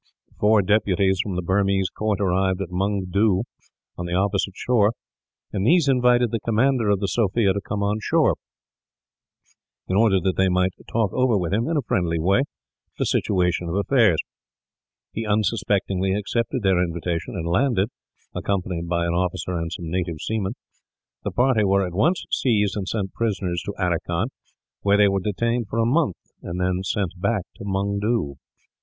Four deputies from the Burmese court arrived at Mungdoo, on the opposite shore; and these invited the commander of the Sophia to come on shore, in order that they might talk over with him, in a friendly way, the situation of affairs. He unsuspectingly accepted their invitation and landed, accompanied by an officer and some native seamen. The party were at once seized and sent prisoners to Aracan, where they were detained for a month, and then sent back to Mungdoo.